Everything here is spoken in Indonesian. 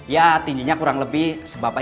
ya tingginya kurang lebih sepapa ini